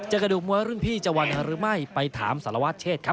กระดูกมวยรุ่นพี่จะวันหรือไม่ไปถามสารวัตรเชษครับ